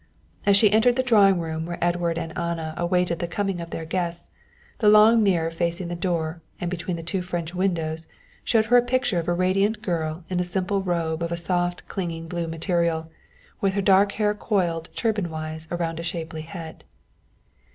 As she entered the drawing room where Edward and Anna awaited the coming of their guests, the long mirror facing the door and between the two French windows showed her a picture of a radiant girl in a simple robe of a soft clinging blue material and with dark hair coiled turban wise around a shapely head.